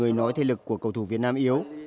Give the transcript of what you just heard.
tôi không thể nói thể lực của cầu thủ việt nam yếu